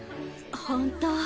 本当。